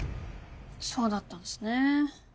そうだったんすね。